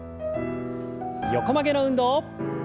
横曲げの運動。